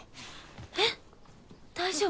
えっ大丈夫？